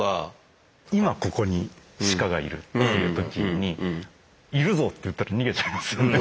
今ここにシカがいるっていう時に「いるぞ」って言ったら逃げちゃいますよね。